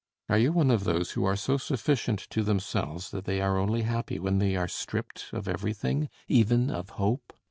Are you one of those who are so sufficient to themselves that they are only happy when they are stripped of everything, even of hope?